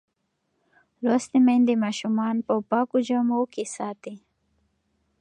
لوستې میندې ماشومان په پاکو جامو ساتي.